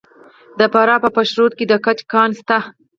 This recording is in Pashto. د فراه په پشت رود کې د ګچ کان شته.